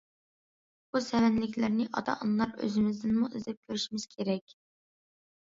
بۇ سەۋەنلىكلەرنى ئاتا- ئانىلار ئۆزىمىزدىنمۇ ئىزدەپ كۆرۈشىمىز كېرەك.